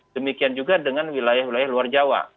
demikian juga dengan wilayah wilayah luar jawa